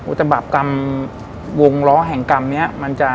อุตบาปกรรมวงล้อแห่งกรรมเนี่ย